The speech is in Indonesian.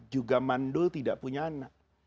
juga mandul tidak punya anak